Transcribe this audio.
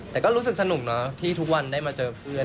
แต่ก็รู้สึกสนุกเนาะที่ทุกวันได้มาเจอเพื่อน